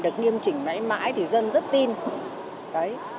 được nghiêm chỉnh mãi mãi thì dân rất tin